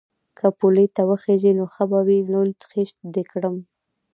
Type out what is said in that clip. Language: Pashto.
_که پولې ته وخېژې نو ښه به وي، لوند خيشت دې کړم.